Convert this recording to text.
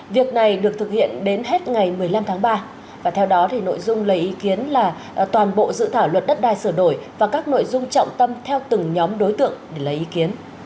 việc này được thực hiện đến hết ngày một mươi năm tháng ba và theo đó nội dung lấy ý kiến là toàn bộ dự thảo luật đất đai sửa đổi và các nội dung trọng tâm theo từng nhóm đối tượng để lấy ý kiến